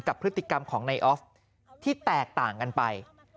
กับพฤติกรรมของนายออฟที่แตกต่างกันไป